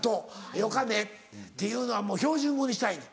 「よかね」っていうのは標準語にしたいねん。